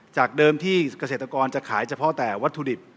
จากเดิมที่เกษตรกรจะขายเฉพาะแต่วัตถุดิบ